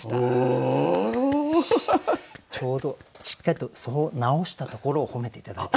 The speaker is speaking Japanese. ちょうどしっかりとそう直したところを褒めて頂いて。